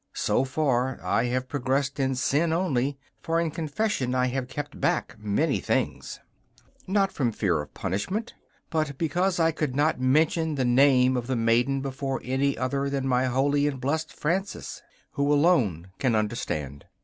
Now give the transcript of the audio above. So far I have progressed in sin only; for in confession I have kept back many things. Not from the fear of punishment, but because I could not mention the name of the maiden before any other than my holy and blessed Francisais, who alone can understand.